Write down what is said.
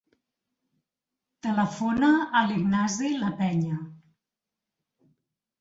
Telefona a l'Ignasi Lapeña.